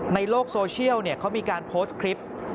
ในโลกโซเชียลเขามีการโพสต์คลิป